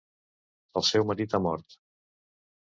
El seu marit ha mort.